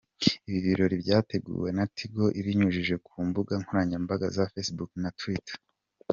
Ibi birori byateguwe na Tigo ibinyujije ku mbuga nkoranyambaga za Facebook na Twitter.